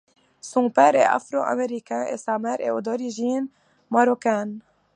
Son père est afro-américain et sa mère est d'origine marocaine.